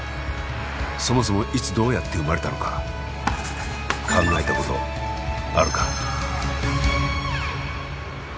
そもそもいつどうやって生まれたのか考えたことあるか？